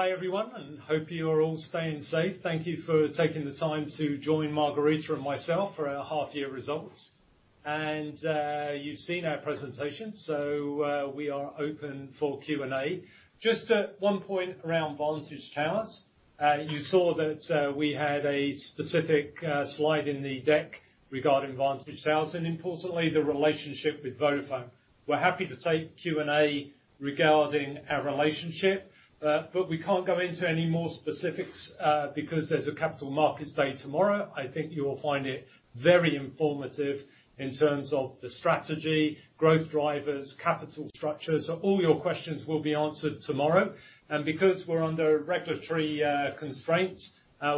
Hi, everyone, hope you're all staying safe. Thank you for taking the time to join Margherita and myself for our half year results. You've seen our presentation, we are open for Q&A. Just one point around Vantage Towers. You saw that we had a specific slide in the deck regarding Vantage Towers and importantly, the relationship with Vodafone. We're happy to take Q&A regarding our relationship, but we can't go into any more specifics because there's a Capital Markets Day tomorrow. I think you will find it very informative in terms of the strategy, growth drivers, capital structure. All your questions will be answered tomorrow. Because we're under regulatory constraints,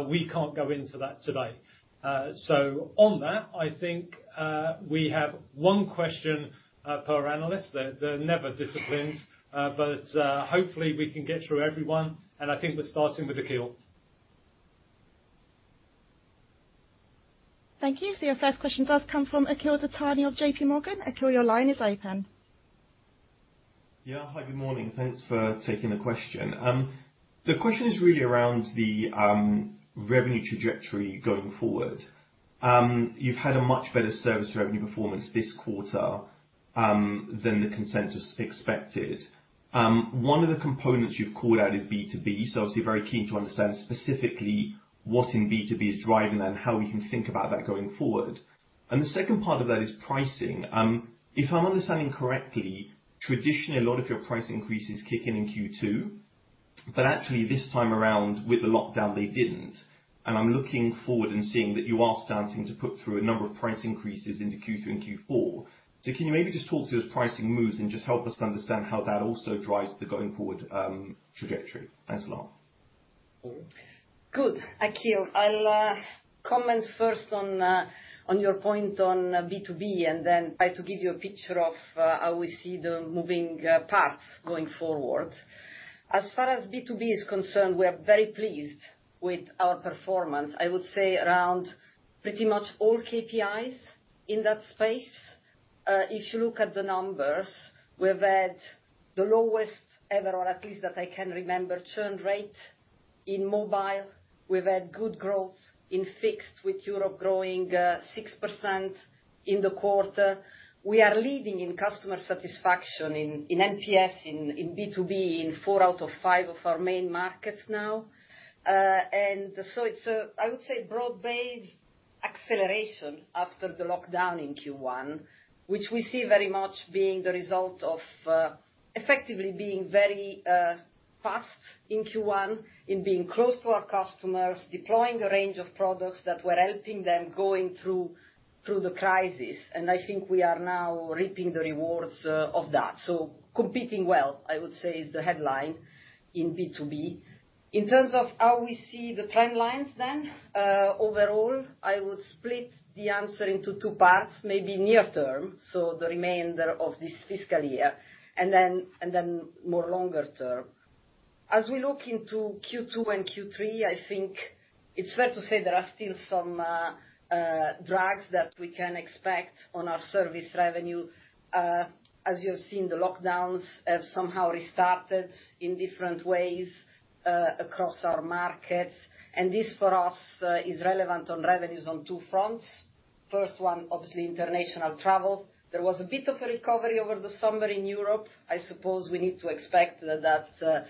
we can't go into that today. On that, I think we have one question per analyst. They're never disciplined, but hopefully we can get through everyone. I think we're starting with Akhil. Thank you. Your first question does come from Akhil Dattani of JPMorgan. Akhil, your line is open. Yeah. Hi, good morning. Thanks for taking the question. The question is really around the revenue trajectory going forward. You've had a much better service revenue performance this quarter than the consensus expected. One of the components you've called out is B2B, obviously very keen to understand specifically what in B2B is driving that and how we can think about that going forward. The second part of that is pricing. If I'm understanding correctly, traditionally a lot of your price increases kick in in Q2, actually this time around with the lockdown, they didn't. I'm looking forward and seeing that you are starting to put through a number of price increases into Q3 and Q4. Can you maybe just talk through those pricing moves and just help us understand how that also drives the going forward trajectory? Thanks a lot. Good. Akhil, I'll comment first on your point on B2B and then try to give you a picture of how we see the moving parts going forward. As far as B2B is concerned, we are very pleased with our performance. I would say around pretty much all KPIs in that space. If you look at the numbers, we've had the lowest ever, or at least that I can remember, churn rate in mobile. We've had good growth in fixed with Europe growing 6% in the quarter. We are leading in customer satisfaction in NPS in B2B in four out of five of our main markets now. It's a, I would say, broad-based acceleration after the lockdown in Q1, which we see very much being the result of effectively being very fast in Q1, in being close to our customers, deploying a range of products that were helping them going through the crisis. I think we are now reaping the rewards of that. Competing well, I would say is the headline in B2B. In terms of how we see the timelines then, overall, I would split the answer into two parts, maybe near term, so the remainder of this fiscal year and then more longer term. As we look into Q2 and Q3, I think it's fair to say there are still some drags that we can expect on our service revenue. As you have seen, the lockdowns have somehow restarted in different ways across our markets. This for us, is relevant on revenues on two fronts. First one, obviously international travel. There was a bit of a recovery over the summer in Europe. I suppose we need to expect that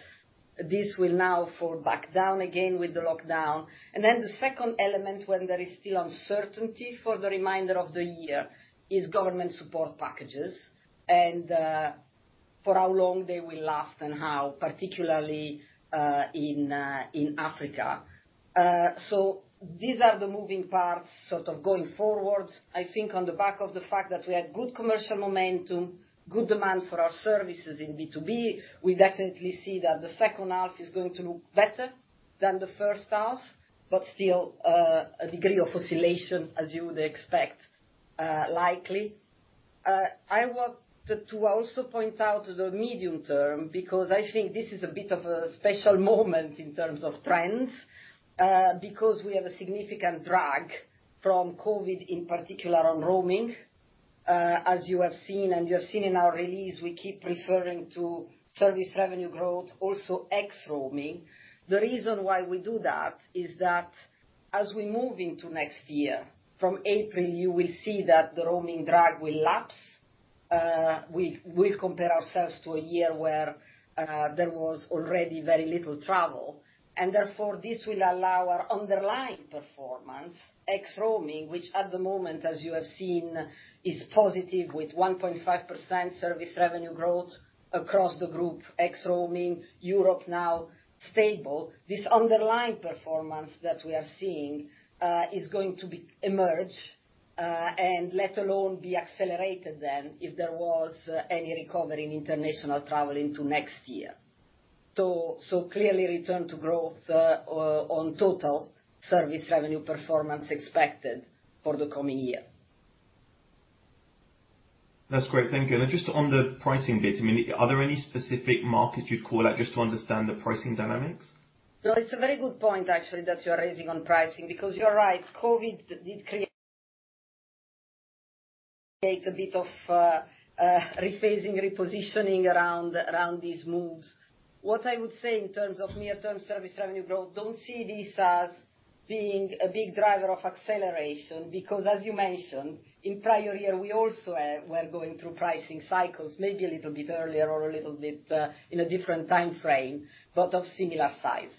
this will now fall back down again with the lockdown. Then the second element when there is still uncertainty for the remainder of the year is government support packages and for how long they will last and how particularly in Africa. These are the moving parts sort of going forward. I think on the back of the fact that we had good commercial momentum, good demand for our services in B2B, we definitely see that the second half is going to look better than the first half, but still, a degree of oscillation as you would expect likely. I wanted to also point out the medium term, because I think this is a bit of a special moment in terms of trends, because we have a significant drag from COVID in particular on roaming. As you have seen and you have seen in our release, we keep referring to service revenue growth also ex roaming. The reason why we do that is that as we move into next year, from April you will see that the roaming drag will lapse. We will compare ourselves to a year where there was already very little travel, and therefore this will allow our underlying performance, ex roaming, which at the moment as you have seen, is positive with 1.5% service revenue growth across the group, ex roaming. Europe now stable. This underlying performance that we are seeing, is going to emerge, and let alone be accelerated than if there was any recovery in international travel into next year. Clearly return to growth on total service revenue performance expected for the coming year. That's great. Thank you. Just on the pricing bit, are there any specific markets you'd call out just to understand the pricing dynamics? It's a very good point actually that you're raising on pricing because you're right. COVID did create a bit of rephasing, repositioning around these moves. What I would say in terms of near-term service revenue growth, don't see this as being a big driver of acceleration, because as you mentioned, in prior year, we also were going through pricing cycles, maybe a little bit earlier or a little bit in a different time frame, but of similar size.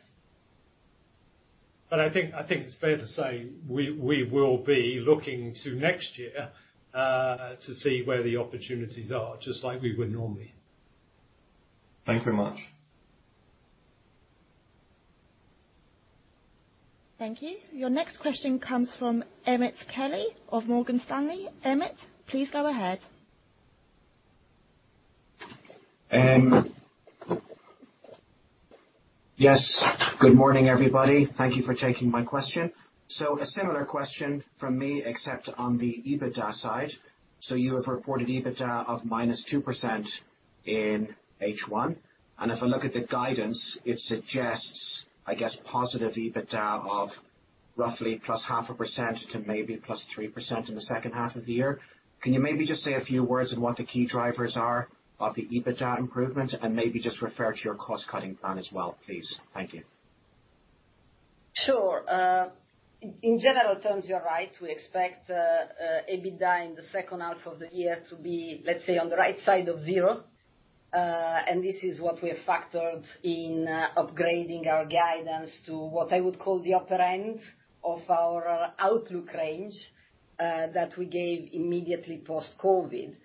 I think it's fair to say we will be looking to next year to see where the opportunities are, just like we would normally. Thank you very much. Thank you. Your next question comes from Emmet Kelly of Morgan Stanley. Emmet, please go ahead. Yes. Good morning, everybody. Thank you for taking my question. A similar question from me, except on the EBITDA side. You have reported EBITDA of -2% in H1. If I look at the guidance, it suggests, I guess, positive EBITDA of roughly +0.5% to maybe +3% in the second half of the year. Can you maybe just say a few words on what the key drivers are of the EBITDA improvement and maybe just refer to your cost-cutting plan as well, please? Thank you. Sure. In general terms, you're right. We expect EBITDA in the second half of the year to be, let's say, on the right side of zero. This is what we have factored in upgrading our guidance to what I would call the upper end of our outlook range, that we gave immediately post-COVID.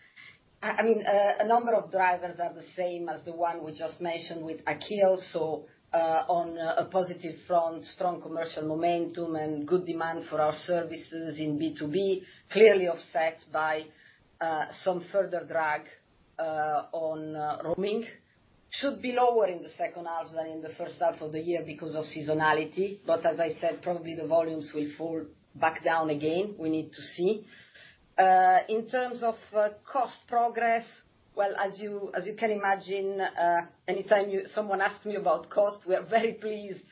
A number of drivers are the same as the one we just mentioned with Akhil. On a positive front, strong commercial momentum and good demand for our services in B2B, clearly offset by some further drag on roaming. Should be lower in the second half than in the first half of the year because of seasonality. As I said, probably the volumes will fall back down again. We need to see. In terms of cost progress, well, as you can imagine, anytime someone asks me about cost, we are very pleased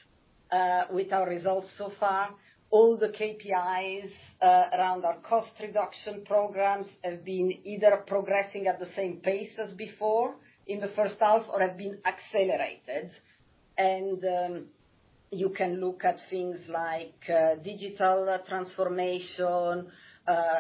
with our results so far. All the KPIs around our cost reduction programs have been either progressing at the same pace as before in the first half or have been accelerated. You can look at things like digital transformation,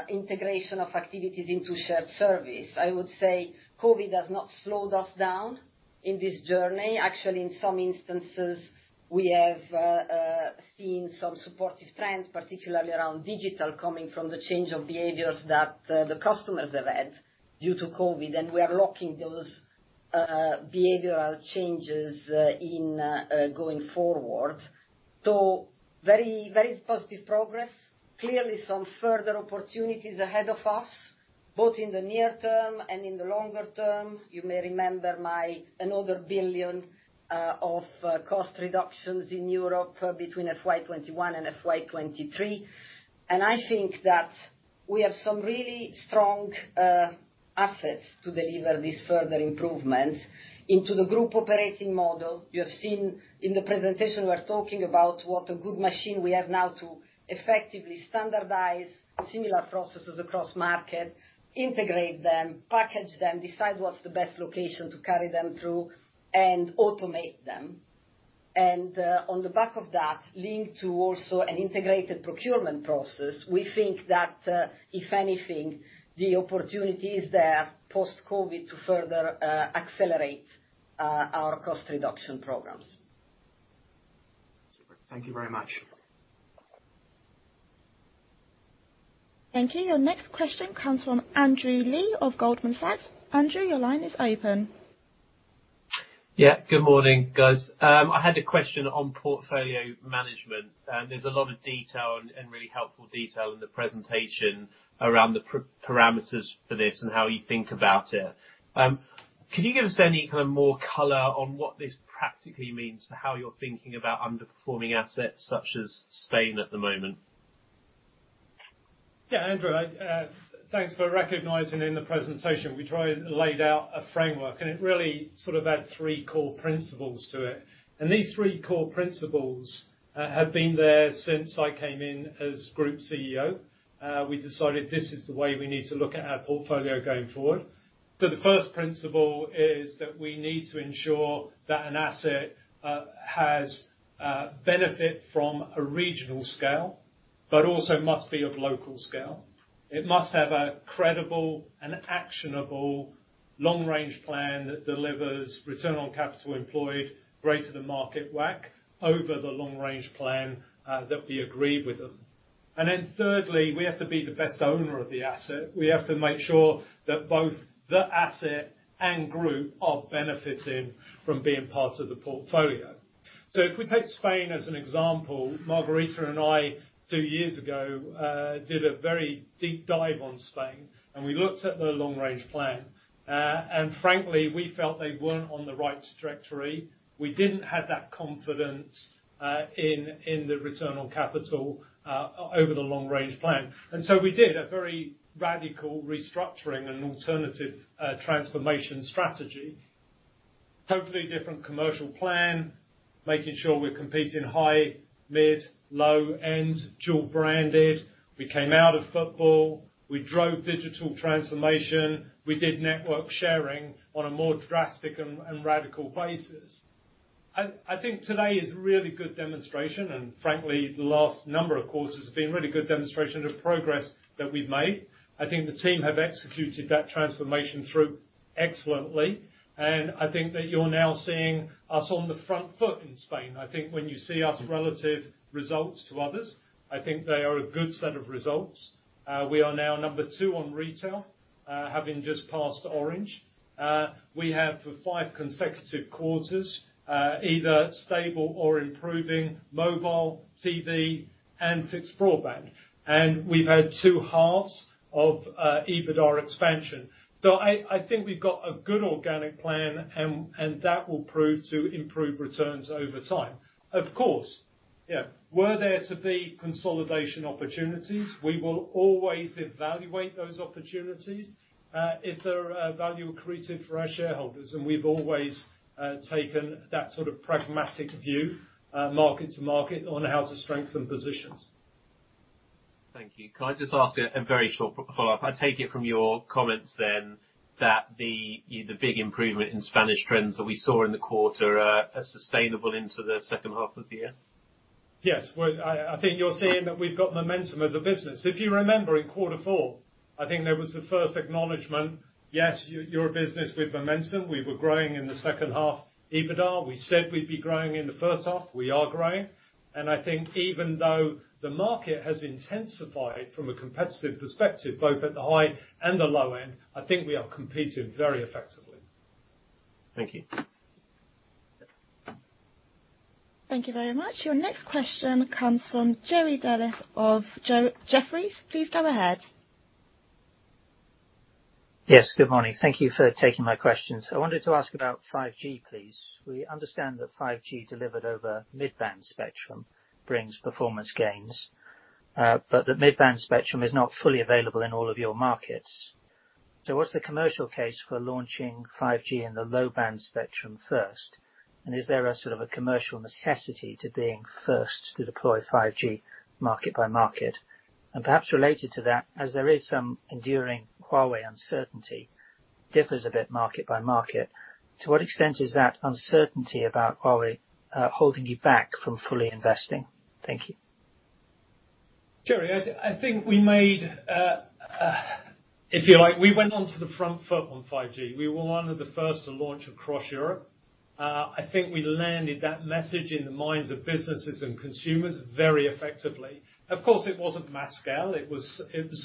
integration of activities into shared service. I would say COVID has not slowed us down in this journey. Actually, in some instances, we have seen some supportive trends, particularly around digital, coming from the change of behaviors that the customers have had due to COVID, and we are locking those behavioral changes in going forward. Very positive progress. Clearly some further opportunities ahead of us, both in the near term and in the longer term. You may remember another 1 billion of cost reductions in Europe between FY 2021 and FY 2023. I think that we have some really strong assets to deliver these further improvements into the group operating model. You have seen in the presentation we are talking about what a good machine we have now to effectively standardize similar processes across market, integrate them, package them, decide what's the best location to carry them through, and automate them. On the back of that, linked to also an integrated procurement process, we think that, if anything, the opportunity is there post-COVID to further accelerate our cost reduction programs. Super. Thank you very much. Thank you. Your next question comes from Andrew Lee of Goldman Sachs. Andrew, your line is open. Yeah. Good morning, guys. I had a question on portfolio management. There's a lot of detail and really helpful detail in the presentation around the parameters for this and how you think about it. Can you give us any kind of more color on what this practically means for how you're thinking about underperforming assets such as Spain at the moment? Yeah, Andrew, thanks for recognizing in the presentation. We tried to lay out a framework, and it really sort of had three core principles to it. These three core principles have been there since I came in as Group CEO. We decided this is the way we need to look at our portfolio going forward. The first principle is that we need to ensure that an asset has benefit from a regional scale, but also must be of local scale. It must have a credible and actionable long-range plan that delivers return on capital employed greater than market WACC over the long-range plan that we agreed with them. Thirdly, we have to be the best owner of the asset. We have to make sure that both the asset and group are benefiting from being part of the portfolio. If we take Spain as an example, Margherita and I, two years ago, did a very deep dive on Spain, and we looked at the long-range plan. Frankly, we felt they weren't on the right trajectory. We didn't have that confidence in the return on capital over the long-range plan. We did a very radical restructuring and alternative transformation strategy, totally different commercial plan, making sure we're competing high, mid, low end, dual branded. We came out of football. We drove digital transformation. We did network sharing on a more drastic and radical basis. I think today is a really good demonstration. Frankly, the last number of calls has been a really good demonstration of progress that we've made. I think the team have executed that transformation through excellently, and I think that you're now seeing us on the front foot in Spain. I think when you see our relative results to others, I think they are a good set of results. We are now number two on retail, having just passed Orange. We have for five consecutive quarters, either stable or improving mobile, TV, and fixed broadband. We've had two halves of EBITDA expansion. I think we've got a good organic plan, and that will prove to improve returns over time. Of course, yeah, were there to be consolidation opportunities, we will always evaluate those opportunities, if they are value accretive for our shareholders, and we've always taken that sort of pragmatic view, market to market, on how to strengthen positions. Thank you. Can I just ask a very short follow-up? I take it from your comments then that the big improvement in Spanish trends that we saw in the quarter are sustainable into the second half of the year. Yes. Well, I think you're seeing that we've got momentum as a business. If you remember, in quarter four, I think there was the first acknowledgment, yes, you're a business with momentum. We were growing in the second half EBITDA. We said we'd be growing in the first half. We are growing. I think even though the market has intensified from a competitive perspective, both at the high and the low end, I think we are competing very effectively. Thank you. Thank you very much. Your next question comes from Jerry Dellis of Jefferies. Please go ahead. Yes, good morning. Thank you for taking my questions. I wanted to ask about 5G, please. We understand that 5G delivered over mid-band spectrum brings performance gains. The mid-band spectrum is not fully available in all of your markets. What's the commercial case for launching 5G in the low-band spectrum first? Is there a sort of a commercial necessity to being first to deploy 5G market by market? Perhaps related to that, as there is some enduring Huawei uncertainty, differs a bit market by market, to what extent is that uncertainty about Huawei holding you back from fully investing? Thank you. Jerry, I think we went onto the front foot on 5G. We were one of the first to launch across Europe. I think we landed that message in the minds of businesses and consumers very effectively. Of course, it wasn't mass scale. It was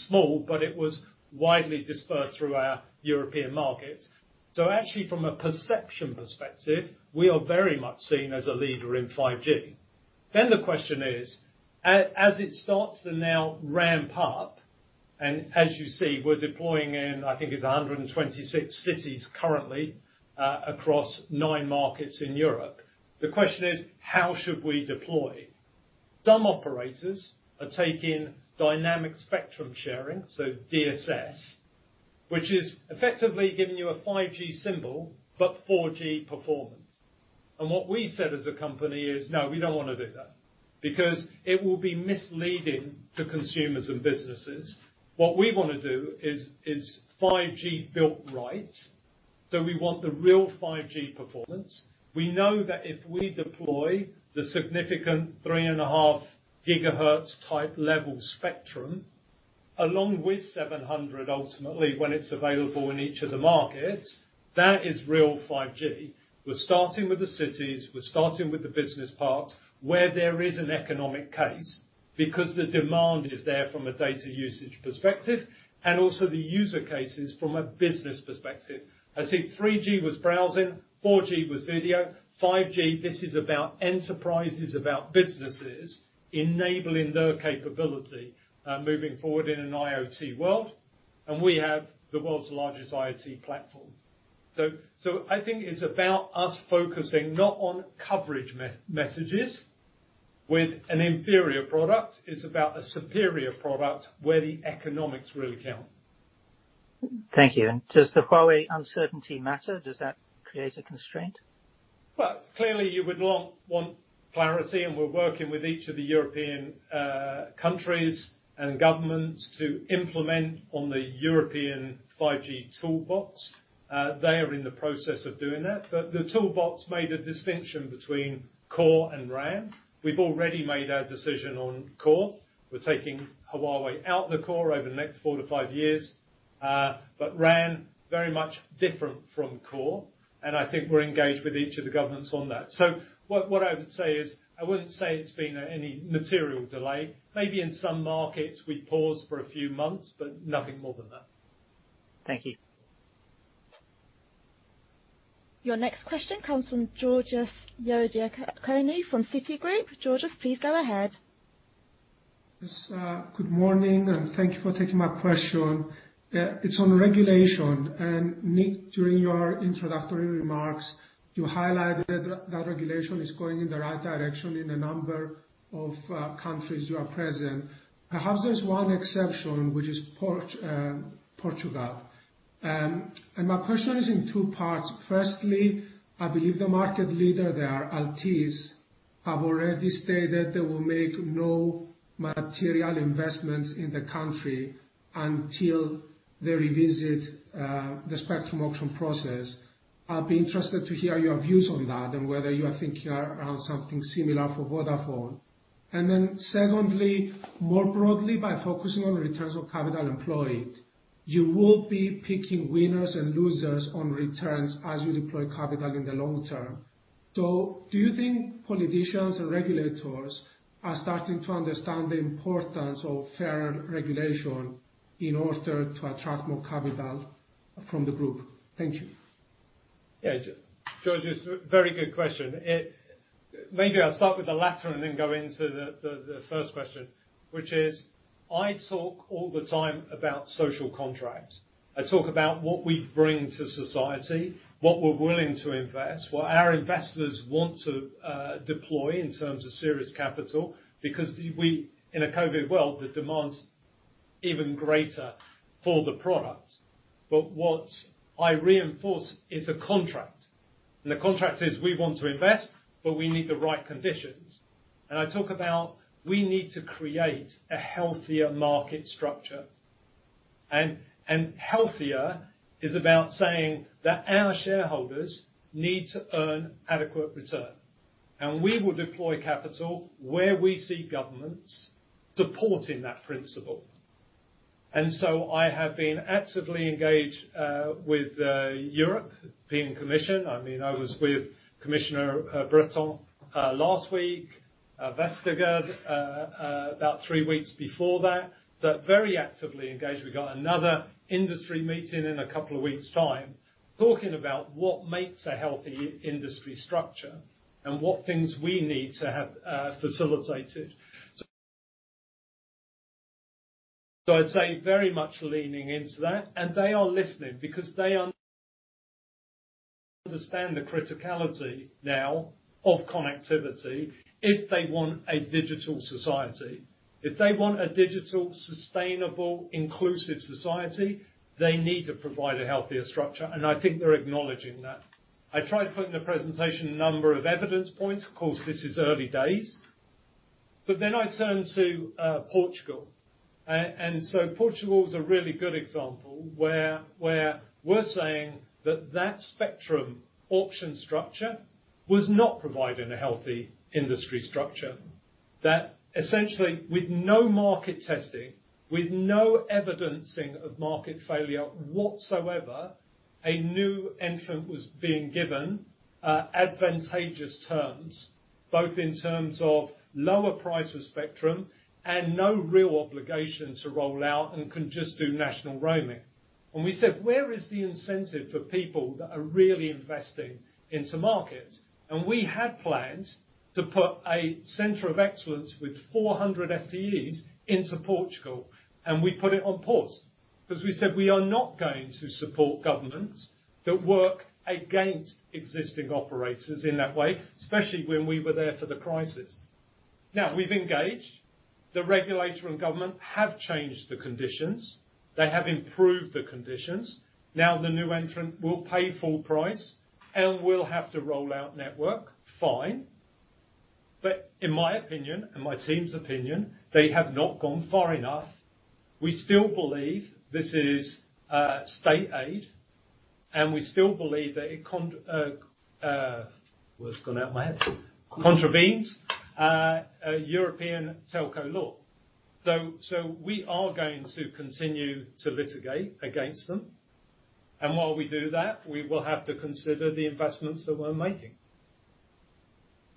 small, but it was widely dispersed through our European markets. Actually from a perception perspective, we are very much seen as a leader in 5G. The question is, as it starts to now ramp up, and as you see, we're deploying in, I think it's 126 cities currently across nine markets in Europe. The question is, how should we deploy? Some operators are taking dynamic spectrum sharing, so DSS, which is effectively giving you a 5G symbol, but 4G performance. What we said as a company is, "No, we don't want to do that," because it will be misleading to consumers and businesses. What we want to do is 5G built right. We want the real 5G performance. We know that if we deploy the significant 3.5 gigahertz type level spectrum, along with 700, ultimately, when it's available in each of the markets, that is real 5G. We're starting with the cities, we're starting with the business parks, where there is an economic case, because the demand is there from a data usage perspective, and also the user cases from a business perspective. I think 3G was browsing, 4G was video, 5G, this is about enterprises, about businesses enabling their capability, moving forward in an IoT world, and we have the world's largest IoT platform. I think it's about us focusing not on coverage messages with an inferior product. It's about a superior product where the economics really count. Thank you. Does the Huawei uncertainty matter? Does that create a constraint? Well, clearly, you would want clarity, and we're working with each of the European countries and governments to implement on the European 5G Toolbox. They are in the process of doing that. The Toolbox made a distinction between core and RAN. We've already made our decision on core. We're taking Huawei out the core over the next four to five years. RAN, very much different from core, and I think we're engaged with each of the governments on that. What I would say is, I wouldn't say it's been any material delay. Maybe in some markets we paused for a few months, but nothing more than that. Thank you. Your next question comes from Georgios Ierodiaconou from Citigroup. Georgios, please go ahead. Yes, good morning, thank you for taking my question. It is on regulation. Nick, during your introductory remarks, you highlighted that regulation is going in the right direction in a number of countries you are present. Perhaps there is one exception, which is Portugal. My question is in two parts. Firstly, I believe the market leader there, Altice has already stated they will make no material investments in the country until they revisit the spectrum auction process. I would be interested to hear your views on that and whether you are thinking around something similar for Vodafone. Secondly, more broadly, by focusing on returns on capital employed, you will be picking winners and losers on returns as you deploy capital in the long term. Do you think politicians and regulators are starting to understand the importance of fair regulation in order to attract more capital from the group? Thank you. Yeah. Georgios, it's very good question. Maybe I'll start with the latter and then go into the first question, which is, I talk all the time about social contracts. I talk about what we bring to society, what we're willing to invest, what our investors want to deploy in terms of serious capital, because we, in a COVID world, the demand's even greater for the product. What I reinforce is a contract. The contract is, we want to invest, but we need the right conditions. I talk about, we need to create a healthier market structure. Healthier is about saying that our shareholders need to earn adequate return. We will deploy capital where we see governments supporting that principle. I have been actively engaged, with Europe, the European Commission. I was with Commissioner Breton, last week, Vestager, about three weeks before that. Very actively engaged. We got another industry meeting in a couple of weeks' time, talking about what makes a healthy industry structure and what things we need to have facilitated. I'd say very much leaning into that, and they are listening because they understand the criticality now of connectivity if they want a digital society. If they want a digital, sustainable, inclusive society, they need to provide a healthier structure. I think they're acknowledging that. I tried putting the presentation a number of evidence points. Of course, this is early days. I turn to Portugal. Portugal is a really good example where we're saying that that spectrum auction structure was not providing a healthy industry structure. That essentially with no market testing, with no evidencing of market failure whatsoever, a new entrant was being given advantageous terms, both in terms of lower price of spectrum and no real obligation to roll out and can just do national roaming. We said, "Where is the incentive for people that are really investing into markets?" We had planned to put a center of excellence with 400 FTEs into Portugal, and we put it on pause. Because we said we are not going to support governments that work against existing operators in that way, especially when we were there for the crisis. Now, we've engaged. The regulator and government have changed the conditions. They have improved the conditions. Now the new entrant will pay full price and will have to roll out network, fine. In my opinion and my team's opinion, they have not gone far enough. We still believe this is state aid, and we still believe that it contravenes European telco law. We are going to continue to litigate against them. While we do that, we will have to consider the investments that we're making.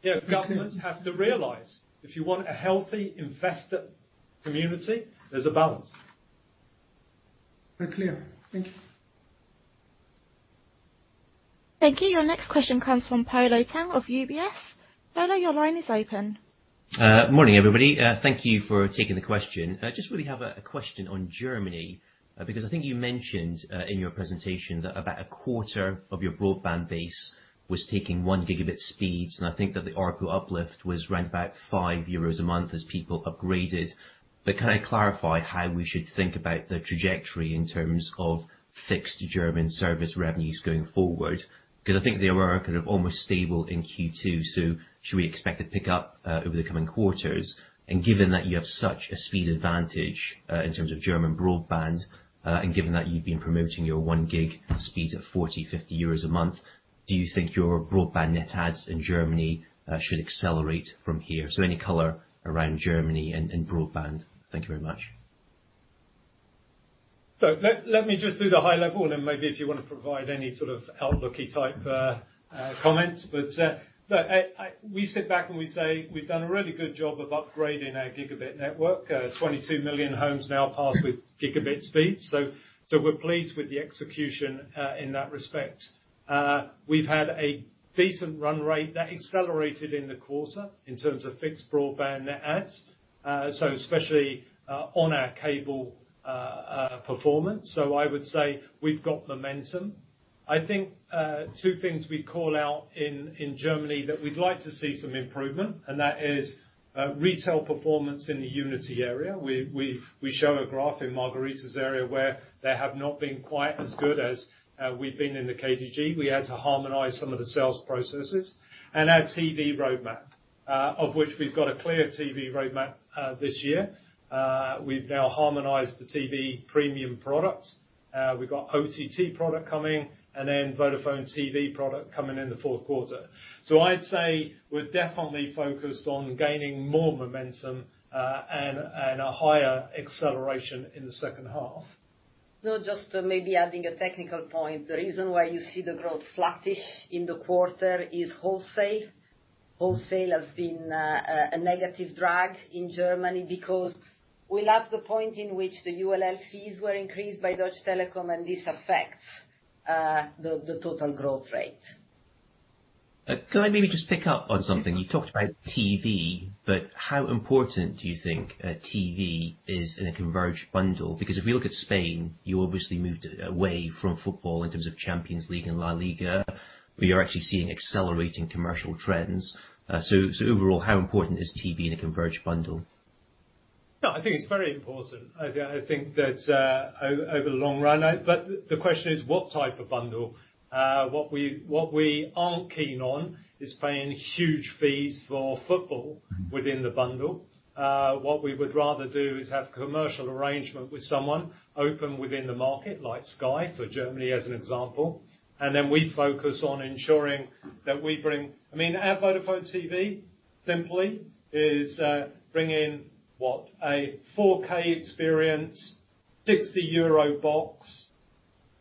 Yeah, governments have to realize if you want a healthy investor community, there's a balance. Very clear. Thank you. Thank you. Your next question comes from Polo Tang of UBS. Polo, your line is open. Morning, everybody. Thank you for taking the question. Just really have a question on Germany, because I think you mentioned in your presentation that about a quarter of your broadband base was taking one gigabit speeds, and I think that the ARPU uplift was around about 5 euros a month as people upgraded. Can I clarify how we should think about the trajectory in terms of fixed German service revenues going forward? I think they were kind of almost stable in Q2. Should we expect a pickup over the coming quarters? Given that you have such a speed advantage, in terms of German broadband, and given that you've been promoting your one gig speeds at 40, 50 euros a month, do you think your broadband net adds in Germany should accelerate from here? Any color around Germany and broadband. Thank you very much. Let me just do the high level and then maybe if you want to provide any sort of outlook-y type comments. We sit back and we say we've done a really good job of upgrading our gigabit network. 22 million homes now passed with gigabit speed. We're pleased with the execution in that respect. We've had a decent run rate that accelerated in the quarter in terms of fixed broadband net adds, so especially on our cable performance. I would say we've got momentum. I think, two things we call out in Germany that we'd like to see some improvement, and that is retail performance in the Unity area. We show a graph in Margherita's area where they have not been quite as good as we've been in the KDG. We had to harmonize some of the sales processes and our TV roadmap. We've got a clear TV roadmap this year. We've now harmonized the TV premium product. We've got OTT product coming, and then Vodafone TV product coming in the fourth quarter. I'd say we're definitely focused on gaining more momentum, and a higher acceleration in the second half. No, just maybe adding a technical point. The reason why you see the growth flattish in the quarter is wholesale. Wholesale has been a negative drag in Germany because we're at the point in which the ULL fees were increased by Deutsche Telekom, and this affects the total growth rate. Can I maybe just pick up on something? You talked about TV, how important do you think TV is in a converged bundle? If we look at Spain, you obviously moved away from football in terms of Champions League and La Liga, you're actually seeing accelerating commercial trends. Overall, how important is TV in a converged bundle? No, I think it's very important. I think that over the long run, the question is, what type of bundle? What we aren't keen on is paying huge fees for football within the bundle. What we would rather do is have commercial arrangement with someone, open within the market, like Sky for Germany, as an example. Then we focus on ensuring that we bring Our Vodafone TV simply is bringing what a 4K experience, 60 euro box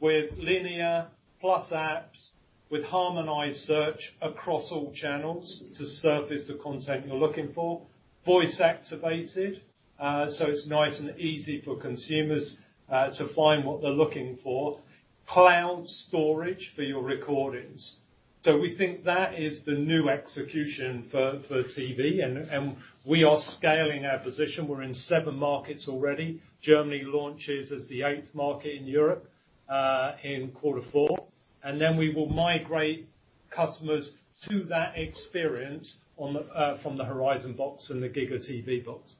with linear plus apps, with harmonized search across all channels to surface the content you're looking for. Voice activated, so it's nice and easy for consumers to find what they're looking for. Cloud storage for your recordings. We think that is the new execution for TV, and we are scaling our position. We're in seven markets already. Germany launches as the eighth market in Europe, in quarter four, and then we will migrate customers to that experience from the Horizon box and the GigaTV box.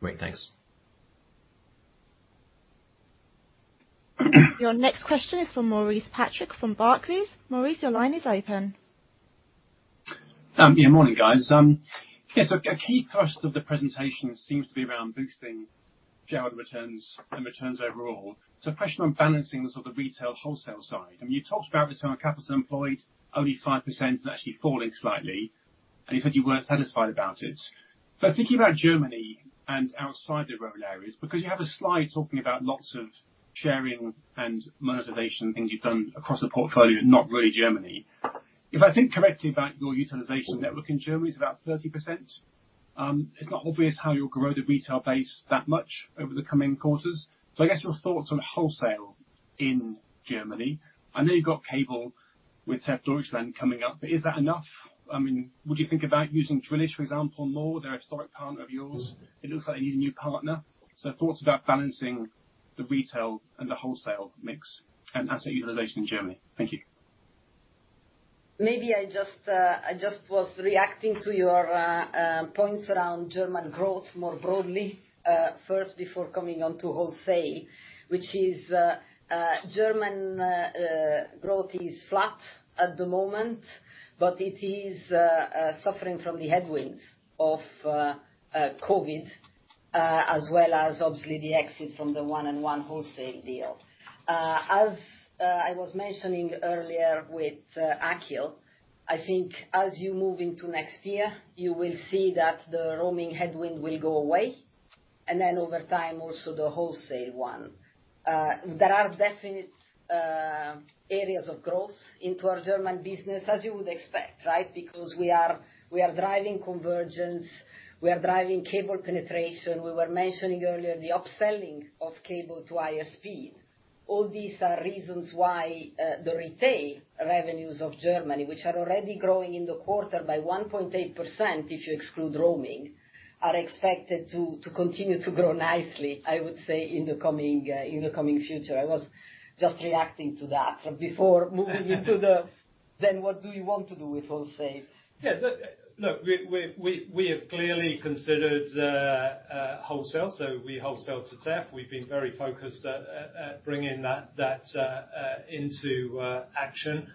Great. Thanks. Your next question is from Maurice Patrick from Barclays. Maurice, your line is open. Morning, guys. A key thrust of the presentation seems to be around boosting shareholder returns and returns overall. A question on balancing the retail-wholesale side. You talked about Return on Capital Employed, only 5% and actually falling slightly, and you said you weren't satisfied about it. Thinking about Germany and outside the rural areas, because you have a slide talking about lots of sharing and monetization things you've done across the portfolio, not really Germany. If I think correctly about your utilization network in Germany is about 30%. It's not obvious how you'll grow the retail base that much over the coming quarters. I guess your thoughts on wholesale in Germany. I know you've got cable with Telefónica Deutschland coming up, is that enough? Would you think about using Drillisch, for example, more? They're a historic partner of yours. It looks like they need a new partner. Thoughts about balancing the retail and the wholesale mix and asset utilization in Germany. Thank you. Maybe I just was reacting to your points around German growth more broadly first before coming on to wholesale. Which is German growth is flat at the moment, but it is suffering from the headwinds of COVID, as well as obviously the exit from the 1&1 wholesale deal. As I was mentioning earlier with Akhil, I think as you move into next year, you will see that the roaming headwind will go away, and then over time, also the wholesale one. There are definite areas of growth into our German business, as you would expect. We are driving convergence. We are driving cable penetration. We were mentioning earlier the upselling of cable to higher speed. All these are reasons why the retail revenues of Germany, which are already growing in the quarter by 1.8%, if you exclude roaming, are expected to continue to grow nicely, I would say, in the coming future. I was just reacting to that before moving into the, then what do we want to do with wholesale. Look, we have clearly considered wholesale, so we wholesale to Telefónica. We've been very focused at bringing that into action.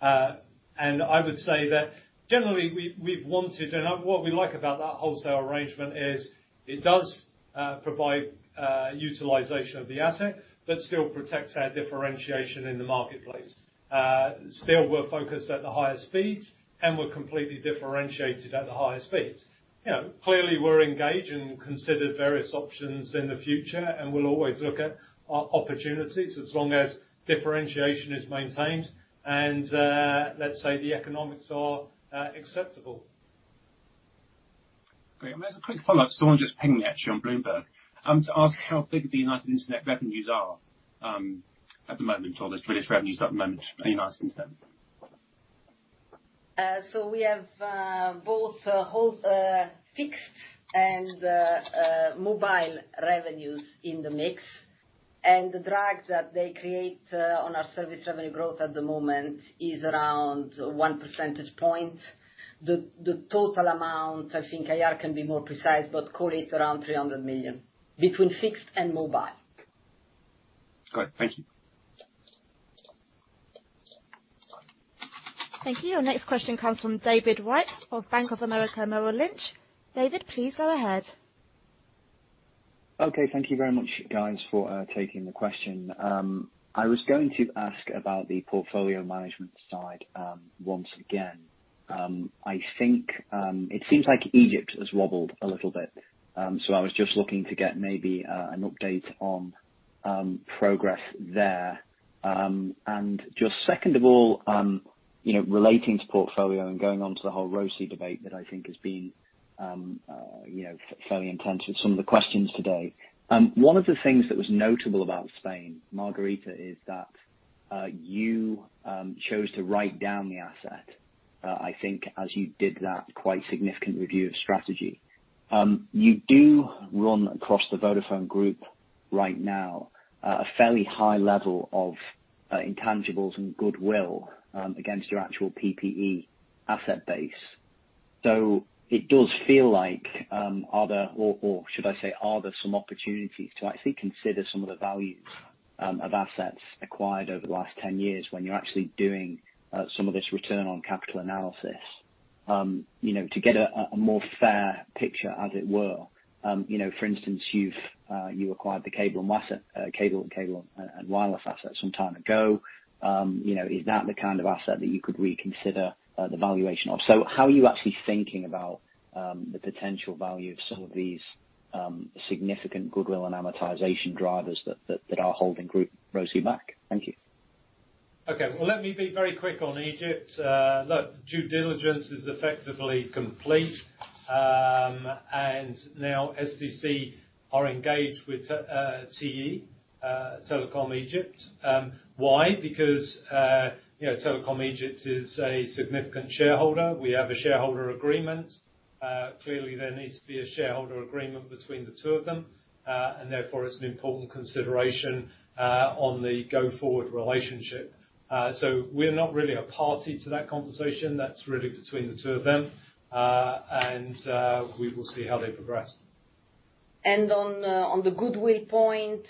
I would say that generally we've wanted, and what we like about that wholesale arrangement is it does provide utilization of the asset but still protects our differentiation in the marketplace. Still we're focused at the highest speeds, and we're completely differentiated at the highest speeds. Clearly, we're engaged and considered various options in the future, and we'll always look at opportunities as long as differentiation is maintained and, let's say the economics are acceptable. Great. There's a quick follow-up. Someone just pinged me actually on Bloomberg, to ask how big the United Internet revenues are at the moment, or the Twitch revenues at the moment for United Internet. We have both fixed and mobile revenues in the mix. The drag that they create on our service revenue growth at the moment is around one percentage point. The total amount, I think IR can be more precise, but call it around 300 million between fixed and mobile. Great. Thank you. Thank you. Our next question comes from David Wright of Bank of America Merrill Lynch. David, please go ahead. Okay. Thank you very much, guys, for taking the question. I was going to ask about the portfolio management side once again. It seems like Egypt has wobbled a little bit. I was just looking to get maybe an update on progress there. Just second of all, relating to portfolio and going on to the whole ROCE debate that I think has been fairly intense with some of the questions today. One of the things that was notable about Spain, Margherita, is that you chose to write down the asset, I think as you did that quite significant review of strategy. You do run across the Vodafone Group right now a fairly high level of intangibles and goodwill against your actual PPE asset base. It does feel like, or should I say, are there some opportunities to actually consider some of the values of assets acquired over the last 10 years when you're actually doing some of this return on capital analysis to get a more fair picture, as it were. For instance, you acquired the Cable & Wireless assets some time ago. Is that the kind of asset that you could reconsider the valuation of? How are you actually thinking about the potential value of some of these significant goodwill and amortization drivers that are holding group ROCE back? Thank you. Okay. Well, let me be very quick on Egypt. Look, due diligence is effectively complete. Now stc are engaged with TE, Telecom Egypt. Why? Because Telecom Egypt is a significant shareholder. We have a shareholder agreement. Clearly, there needs to be a shareholder agreement between the two of them. Therefore it's an important consideration on the go-forward relationship. We're not really a party to that conversation. That's really between the two of them. We will see how they progress. On the goodwill point,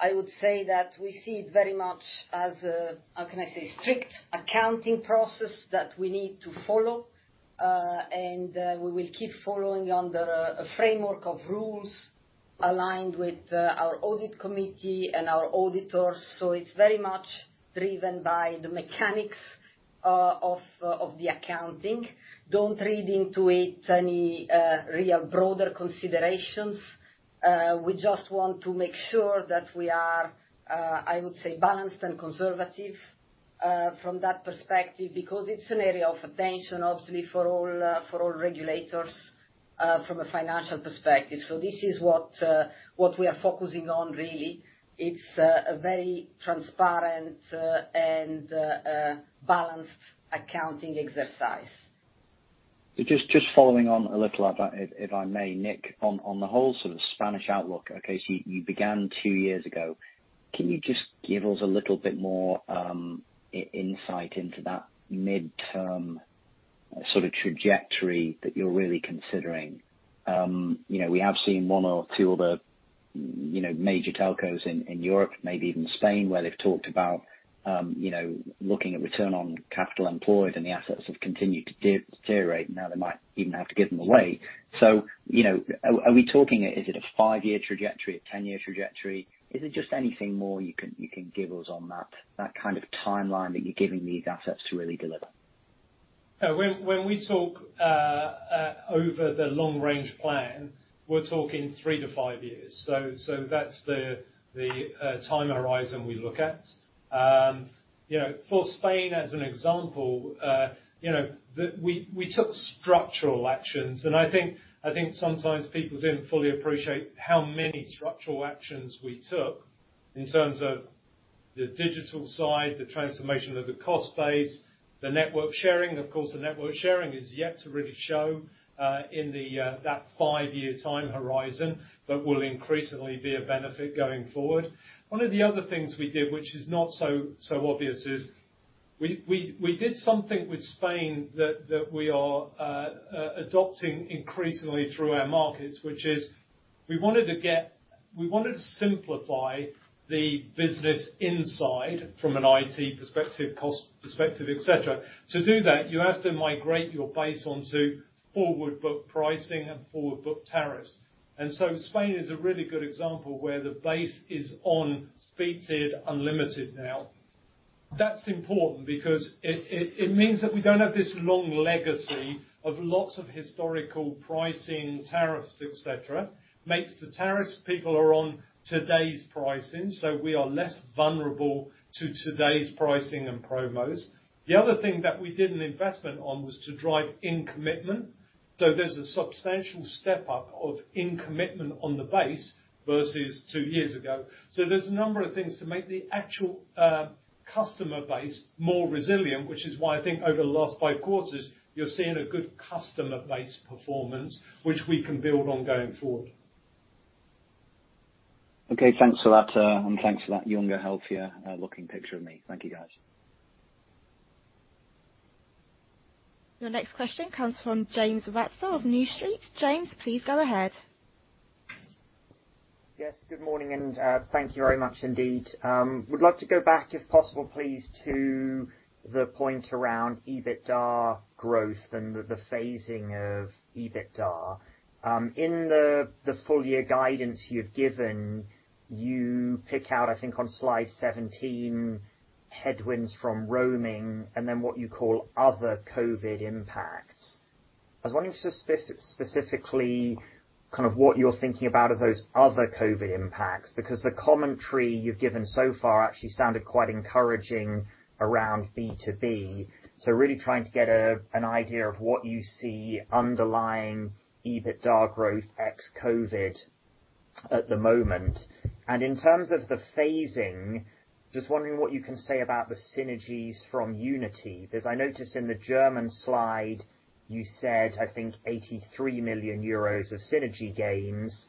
I would say that we see it very much as a, how can I say, strict accounting process that we need to follow. We will keep following under a framework of rules aligned with our audit committee and our auditors. It's very much driven by the mechanics of the accounting. Don't read into it any real broader considerations. We just want to make sure that we are, I would say, balanced and conservative from that perspective, because it's an area of attention, obviously, for all regulators from a financial perspective. This is what we are focusing on really. It's a very transparent and balanced accounting exercise. Just following on a little, if I may, Nick, on the whole sort of Spanish outlook. You began two years ago. Can you just give us a little bit more insight into that midterm sort of trajectory that you're really considering? We have seen one or two of the major telcos in Europe, maybe even Spain, where they've talked about looking at return on capital employed and the assets have continued to deteriorate. Now they might even have to give them away. Are we talking, is it a five-year trajectory, a 10-year trajectory? Is there just anything more you can give us on that kind of timeline that you're giving these assets to really deliver? When we talk over the long range plan, we're talking three to five years. That's the time horizon we look at. For Spain as an example, we took structural actions, and I think sometimes people didn't fully appreciate how many structural actions we took in terms of the digital side, the transformation of the cost base, the network sharing. Of course, the network sharing is yet to really show in that five-year time horizon, but will increasingly be a benefit going forward. One of the other things we did, which is not so obvious is we did something with Spain that we are adopting increasingly through our markets, which is we wanted to simplify the business inside from an IT perspective, cost perspective, et cetera. To do that, you have to migrate your base onto forward-book pricing and forward-book tariffs. Spain is a really good example where the base is on speed tiered unlimited now. That's important because it means that we don't have this long legacy of lots of historical pricing tariffs, et cetera. It makes the tariffs people are on today's pricing, so we are less vulnerable to today's pricing and promos. The other thing that we did an investment on was to drive in commitment. There's a substantial step up of in commitment on the base versus two years ago. There's a number of things to make the actual customer base more resilient, which is why I think over the last five quarters, you're seeing a good customer base performance, which we can build on going forward. Okay, thanks for that. Thanks for that younger, healthier looking picture of me. Thank you, guys. Your next question comes from James Ratzer of New Street. James, please go ahead. Yes, good morning, and thank you very much indeed. Would love to go back, if possible, please, to the point around EBITDA growth and the phasing of EBITDA. In the full year guidance you've given, you pick out, I think, on slide 17, headwinds from roaming and then what you call other COVID impacts. I was wondering specifically, what you're thinking about of those other COVID impacts, because the commentary you've given so far actually sounded quite encouraging around B2B. Really trying to get an idea of what you see underlying EBITDA growth ex-COVID at the moment. In terms of the phasing, just wondering what you can say about the synergies from Unitymedia. I noticed in the German slide you said, I think 83 million euros of synergy gains.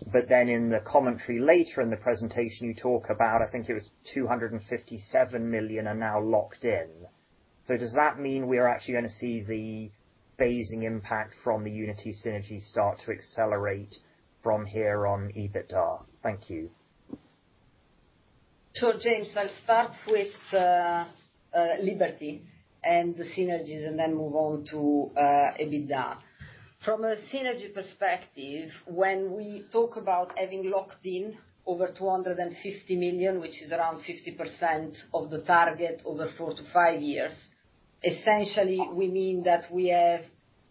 In the commentary later in the presentation you talk about, I think it was 257 million are now locked in. Does that mean we are actually going to see the phasing impact from the Unitymedia synergy start to accelerate from here on EBITDA? Thank you. Sure, James. I'll start with Liberty and the synergies and then move on to EBITDA. From a synergy perspective, when we talk about having locked in over 250 million, which is around 50% of the target over four to five years, essentially, we mean that we have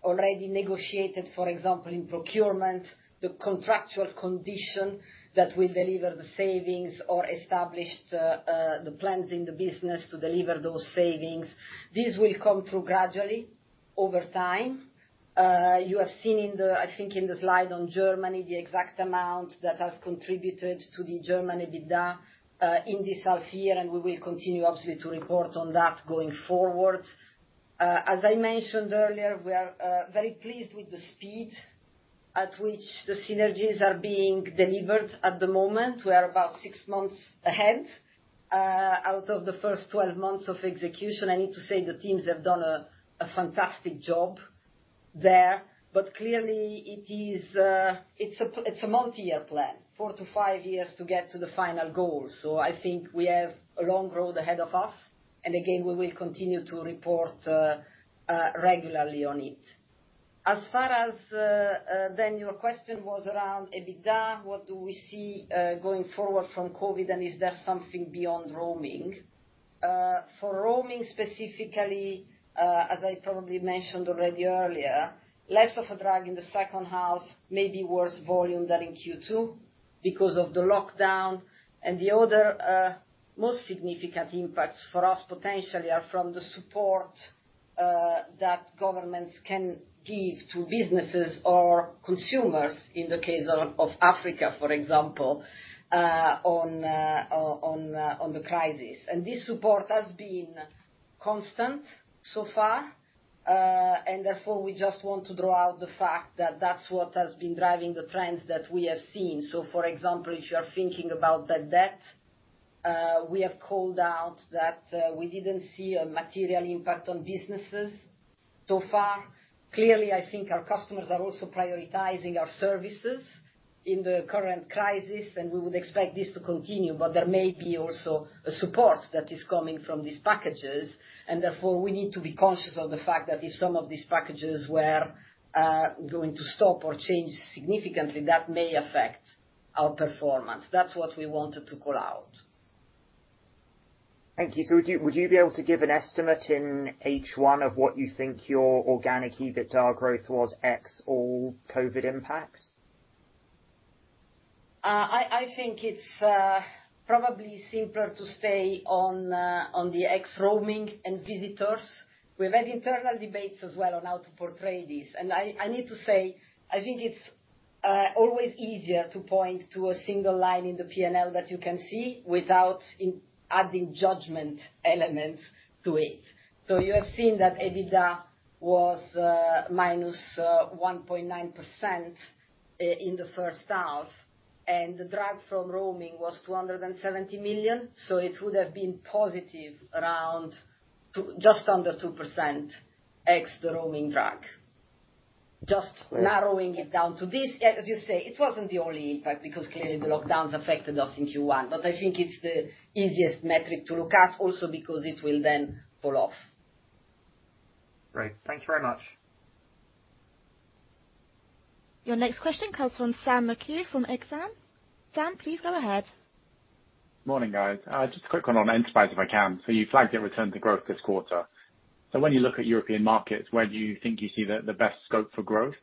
already negotiated, for example, in procurement, the contractual condition that will deliver the savings or established the plans in the business to deliver those savings. These will come through gradually over time. You have seen in the, I think in the slide on Germany, the exact amount that has contributed to the Germany EBITDA in this half year, and we will continue obviously to report on that going forward. As I mentioned earlier, we are very pleased with the speed at which the synergies are being delivered at the moment. We are about six months ahead. Out of the first 12 months of execution, I need to say the teams have done a fantastic job there. Clearly it's a multi-year plan, four to five years to get to the final goal. I think we have a long road ahead of us, and again, we will continue to report regularly on it. Your question was around EBITDA, what do we see going forward from COVID and is there something beyond roaming? For roaming specifically, as I probably mentioned already earlier, less of a drag in the second half, maybe worse volume than in Q2 because of the lockdown. The other most significant impacts for us potentially are from the support that governments can give to businesses or consumers in the case of Africa, for example, on the crisis. This support has been constant so far. Therefore, we just want to draw out the fact that that's what has been driving the trends that we have seen. For example, if you are thinking about the debt, we have called out that we didn't see a material impact on businesses so far. Clearly, I think our customers are also prioritizing our services in the current crisis, and we would expect this to continue. There may be also a support that is coming from these packages, and therefore, we need to be conscious of the fact that if some of these packages were going to stop or change significantly, that may affect our performance. That's what we wanted to call out. Thank you. Would you be able to give an estimate in H1 of what you think your organic EBITDA growth was ex all COVID impacts? I think it's probably simpler to stay on the ex roaming and visitors. We've had internal debates as well on how to portray this. I need to say, I think it's always easier to point to a single line in the P&L that you can see without adding judgment elements to it. You have seen that EBITDA was minus 1.9% in the first half, and the drag from roaming was 270 million. It would have been positive around just under 2% ex the roaming drag. Just narrowing it down to this. As you say, it wasn't the only impact because clearly the lockdowns affected us in Q1. I think it's the easiest metric to look at also because it will then pull off. Great. Thank you very much. Your next question comes from Sami Kassab from Exane. Sami, please go ahead. Morning, guys. Just a quick one on enterprise, if I can. You flagged a return to growth this quarter. When you look at European markets, where do you think you see the best scope for growth?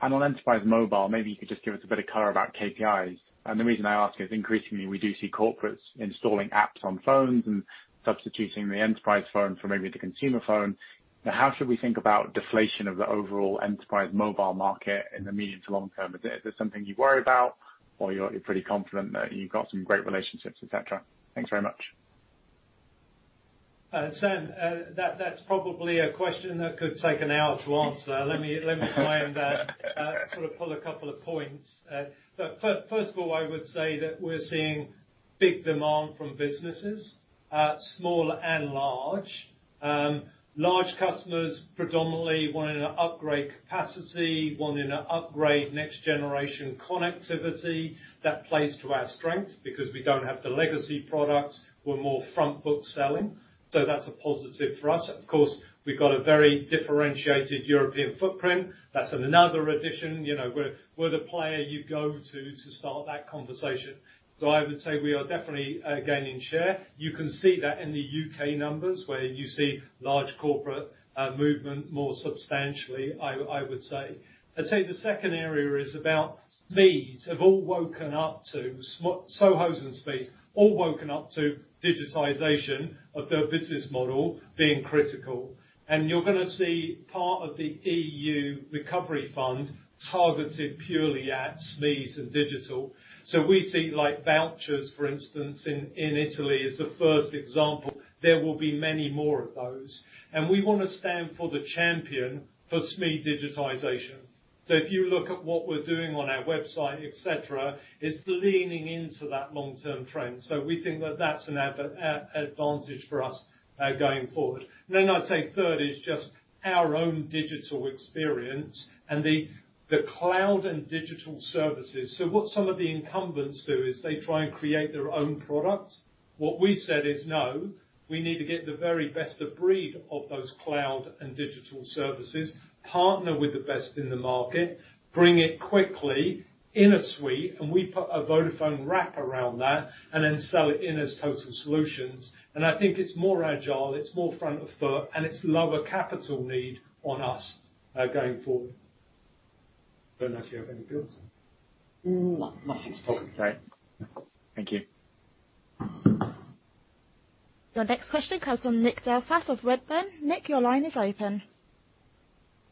On enterprise mobile, maybe you could just give us a bit of color about KPIs. The reason I ask is increasingly we do see corporates installing apps on phones and substituting the enterprise phone for maybe the consumer phone. How should we think about deflation of the overall enterprise mobile market in the medium to long term? Is this something you worry about or you're pretty confident that you got some great relationships, et cetera? Thanks very much. Sami, that's probably a question that could take an hour to answer. Let me try and sort of pull a couple of points. First of all, I would say that we're seeing big demand from businesses, small and large. Large customers predominantly wanting to upgrade capacity, wanting to upgrade next generation connectivity. That plays to our strength because we don't have the legacy product. We're more front book selling. That's a positive for us. Of course, we've got a very differentiated European footprint. That's another addition. We're the player you go to start that conversation. I would say we are definitely gaining share. You can see that in the U.K. numbers where you see large corporate movement more substantially, I would say. I'd say the second area is about SMEs have all woken up to, SoHos and SMEs, all woken up to digitization of their business model being critical. You're going to see part of the EU Recovery Fund targeted purely at SMEs and digital. We see like vouchers, for instance, in Italy is the first example. There will be many more of those. We want to stand for the champion for SME digitization. If you look at what we're doing on our website, et cetera, it's leaning into that long-term trend. We think that that's an advantage for us going forward. I'd say third is just our own digital experience and the cloud and digital services. What some of the incumbents do is they try and create their own products. What we said is, no, we need to get the very best of breed of those cloud and digital services, partner with the best in the market, bring it quickly in a suite, and we put a Vodafone wrap around that and then sell it in as total solutions. I think it's more agile, it's more front of foot, and it's lower capital need on us going forward. Don't know if you have any thoughts? No. I think it's probably okay. Thank you. Your next question comes from Nick Delfas of Redburn. Nick, your line is open.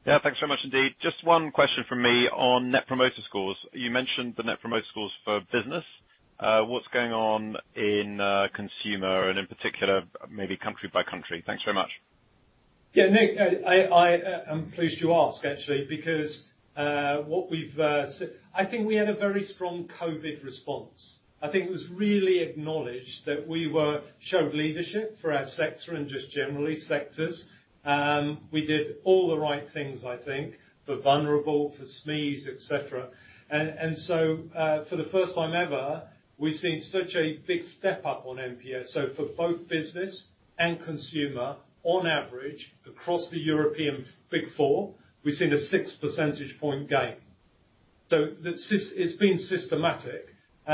Yeah. Thanks so much indeed. Just one question from me on net promoter scores. You mentioned the net promoter scores for business. What's going on in consumer and in particular, maybe country by country? Thanks very much. Yeah, Nick, I'm pleased you asked actually, because I think we had a very strong COVID response. I think it was really acknowledged that we showed leadership for our sector and just generally sectors. We did all the right things, I think, for vulnerable, for SMEs, et cetera. For the first time ever, we've seen such a big step up on NPS. For both business and consumer, on average, across the European Big Four, we've seen a 6 percentage point gain. It's been systematic. It's been systematic in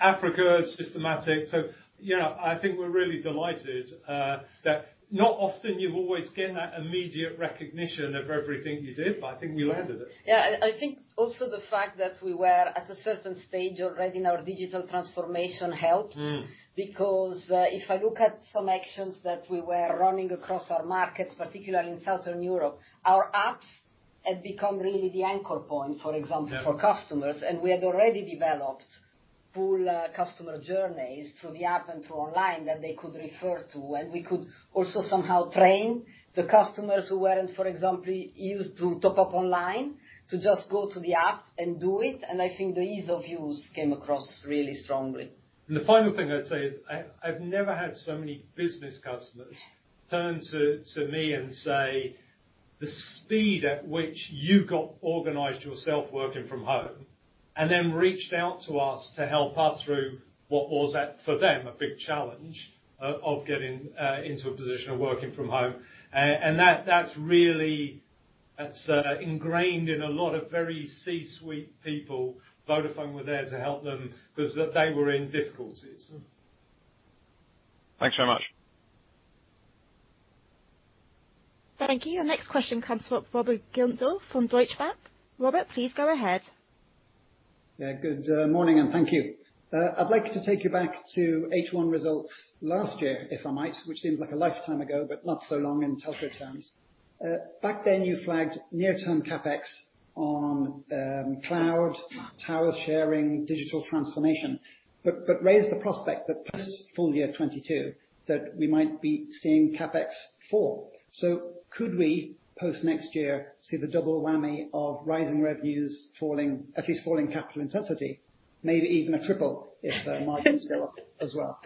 Africa. I think we're really delighted. Not often you always get that immediate recognition of everything you did, but I think we earned it. Yeah. I think also the fact that we were at a certain stage already in our digital transformation helped. If I look at some actions that we were running across our markets, particularly in Southern Europe, our apps had become really the anchor point, for example. Yeah for customers. We had already developed full customer journeys through the app and through online that they could refer to. We could also somehow train the customers who weren't, for example, used to top up online, to just go to the app and do it. I think the ease of use came across really strongly. The final thing I'd say is, I've never had so many business customers turn to me and say, the speed at which you got organized yourself working from home, and then reached out to us to help us through what was, for them, a big challenge of getting into a position of working from home. That's really ingrained in a lot of very C-suite people. Vodafone were there to help them because they were in difficulties. Thanks very much. Thank you. Your next question comes from Robert Grindle from Deutsche Bank. Robert, please go ahead. Yeah. Good morning, thank you. I'd like to take you back to H1 results last year, if I might, which seems like a lifetime ago, but not so long in telco terms. Back then, you flagged near-term CapEx on cloud, tower sharing, digital transformation, but raised the prospect that post full year 2022, that we might be seeing CapEx fall. Could we, post next year, see the double whammy of rising revenues falling, at least falling capital intensity, maybe even a triple if the margins go up as well?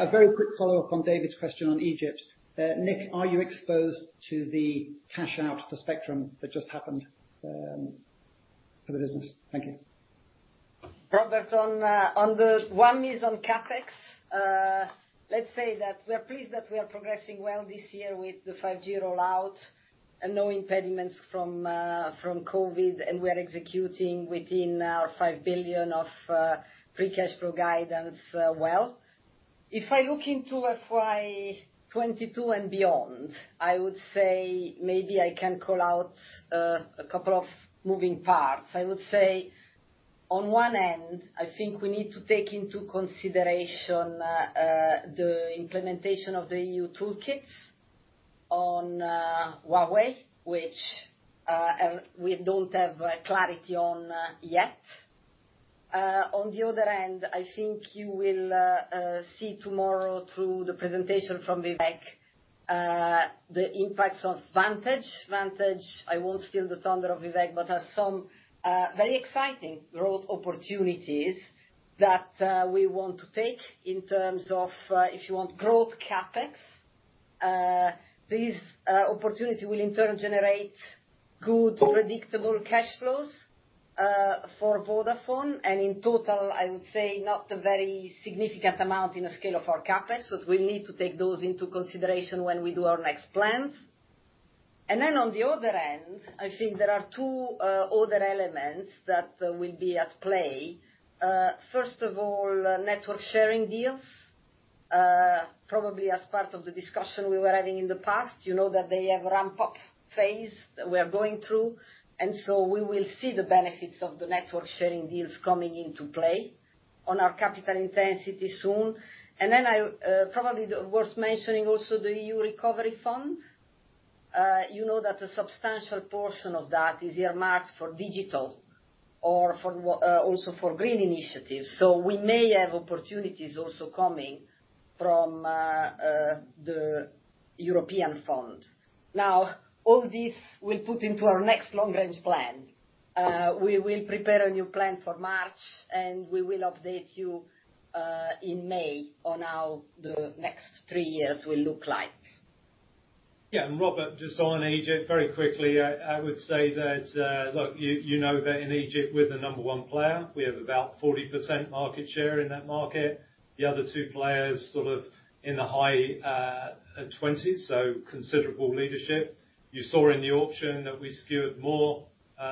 A very quick follow-up on David's question on Egypt. Nick, are you exposed to the cash out for spectrum that just happened for the business? Thank you. Robert, on the whammies on CapEx. Let's say that we're pleased that we are progressing well this year with the 5G rollout and no impediments from COVID, and we are executing within our 5 billion of free cash flow guidance well. If I look into FY 2022 and beyond, I would say maybe I can call out a couple of moving parts. I would say on one end, I think we need to take into consideration the implementation of the EU toolkits on Huawei, which we don't have clarity on yet. On the other end, I think you will see tomorrow through the presentation from Vivek, the impacts of Vantage. Vantage, I won't steal the thunder of Vivek, but has some very exciting growth opportunities that we want to take in terms of if you want growth CapEx. This opportunity will in turn generate good, predictable cash flows for Vodafone, and in total, I would say not a very significant amount in the scale of our CapEx. We need to take those into consideration when we do our next plans. On the other end, I think there are two other elements that will be at play. First of all, network sharing deals, probably as part of the discussion we were having in the past, you know that they have ramp-up phase that we're going through, we will see the benefits of the network sharing deals coming into play on our capital intensity soon. Probably worth mentioning also the EU Recovery Fund. You know that a substantial portion of that is earmarked for digital or also for green initiatives. We may have opportunities also coming from the European Fund. All this will put into our next long-range plan. We will prepare a new plan for March. We will update you in May on how the next three years will look like. Robert, just on Egypt, very quickly, I would say that, look, you know that in Egypt we're the number one player. We have about 40% market share in that market. The other two players sort of in the high 20s, so considerable leadership. You saw in the auction that we secured more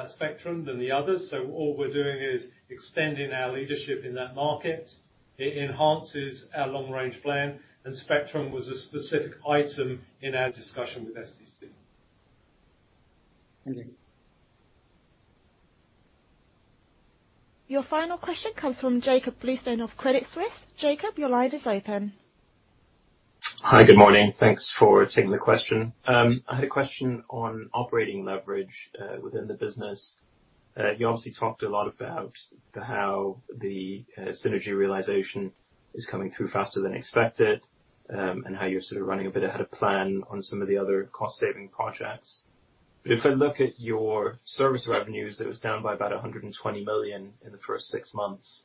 spectrum than the others, all we're doing is extending our leadership in that market. It enhances our long-range plan, spectrum was a specific item in our discussion with stc. Thank you. Your final question comes from Jakob Bluestone of Credit Suisse. Jakob, your line is open. Hi. Good morning. Thanks for taking the question. I had a question on operating leverage within the business. You obviously talked a lot about how the synergy realization is coming through faster than expected, and how you're sort of running a bit ahead of plan on some of the other cost saving projects. If I look at your service revenues, it was down by about 120 million in the first six months,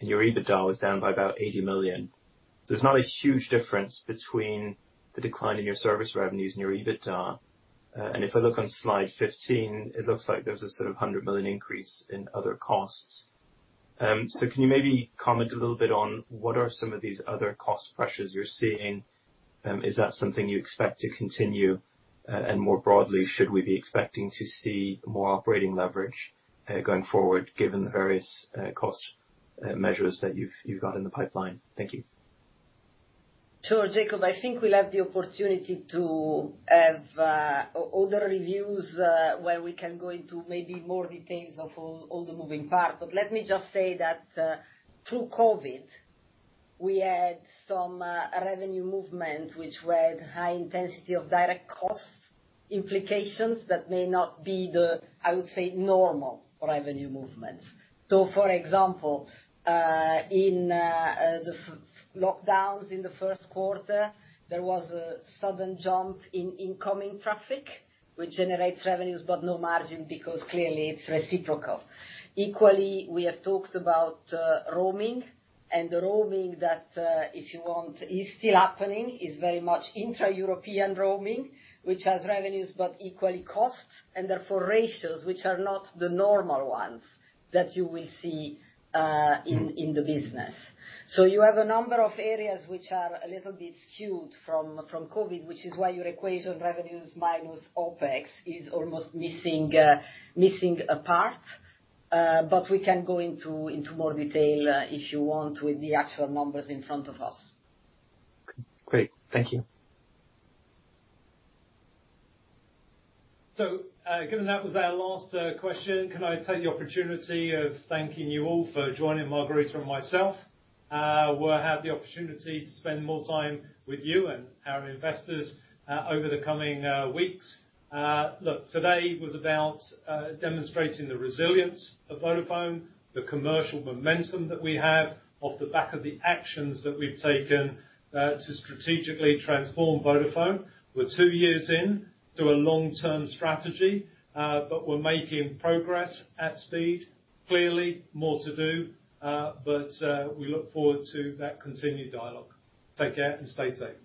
and your EBITDA was down by about 80 million. There's not a huge difference between the decline in your service revenues and your EBITDA. If I look on slide 15, it looks like there's a sort of 100 million increase in other costs. Can you maybe comment a little bit on what are some of these other cost pressures you're seeing? Is that something you expect to continue? More broadly, should we be expecting to see more operating leverage going forward given the various cost measures that you've got in the pipeline? Thank you. Sure. Jakob, I think we'll have the opportunity to have other reviews, where we can go into maybe more details of all the moving parts. Let me just say that through COVID, we had some revenue movement, which had high intensity of direct costs implications that may not be the, I would say, normal revenue movements. For example, in the lockdowns in the first quarter, there was a sudden jump in incoming traffic, which generates revenues but no margin because clearly it's reciprocal. Equally, we have talked about roaming, and the roaming that, if you want, is still happening, is very much intra-European roaming, which has revenues, but equally costs, and therefore ratios which are not the normal ones that you will see in the business. You have a number of areas which are a little bit skewed from COVID, which is why your equation revenues minus OPEX is almost missing a part. We can go into more detail, if you want, with the actual numbers in front of us. Great. Thank you. Given that was our last question, can I take the opportunity of thanking you all for joining Margherita and myself? We'll have the opportunity to spend more time with you and our investors over the coming weeks. Today was about demonstrating the resilience of Vodafone, the commercial momentum that we have off the back of the actions that we've taken to strategically transform Vodafone. We're two years in to a long-term strategy. We're making progress at speed. Clearly more to do, but we look forward to that continued dialogue. Take care and stay safe.